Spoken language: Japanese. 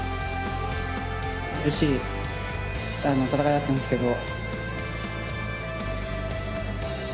苦しい戦いだったんですけど。